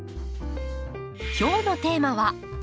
今日のテーマは「土」。